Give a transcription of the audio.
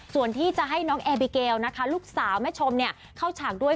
ส่วนที่จะให้น้องแอร์บิเกลนะคะลูกสาวแม่ชมเข้าฉากด้วย